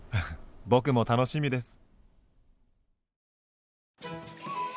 僕も楽しみです。